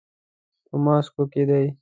په ماسکو کې دی.